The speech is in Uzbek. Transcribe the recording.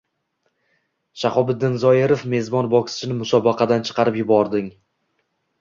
Shahobiddin Zoirov mezbon bokschini musobaqadan chiqarib yubording